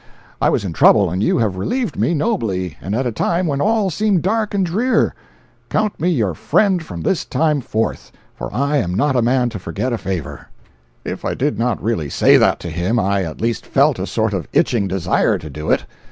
I was in trouble and you have relieved me nobly and at a time when all seemed dark and drear. Count me your friend from this time forth, for I am not a man to forget a favor." 297.jpg (44K) If I did not really say that to him I at least felt a sort of itching desire to do it.